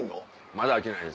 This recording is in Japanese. まだ飽きないです。